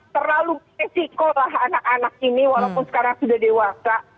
terlalu fisikolah anak anak ini walaupun sekarang sudah dewasa